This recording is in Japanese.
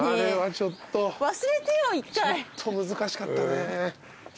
ちょっと難しかったね。